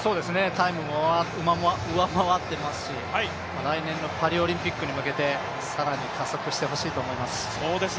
タイムも上回っていますし、来年のパリオリンピックに向けて更に加速してほしいと思います。